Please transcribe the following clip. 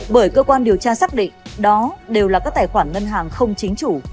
bởi cơ quan điều tra xác định đó đều là các tài khoản ngân hàng không chính chủ